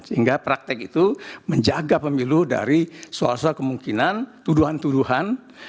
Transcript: sehingga praktek itu menjaga pemilu dari soal soal kemungkinan tuduhan tuduhan